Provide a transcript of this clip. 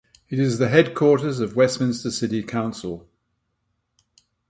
It is the headquarters of Westminster City Council.